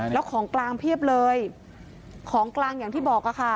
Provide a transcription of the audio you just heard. แล้วของกลางเพียบเลยของกลางอย่างที่บอกค่ะ